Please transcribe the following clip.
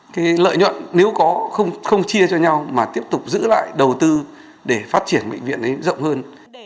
cái lợi nhuận nếu không chia cho nhau mà tiếp tục giữ lại đầu tư để phát triển bệnh viện ấy rộng hơn